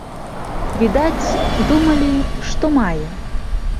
Відаць, думалі, што мае.